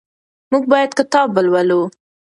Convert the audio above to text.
موږ باید کتاب ولولو.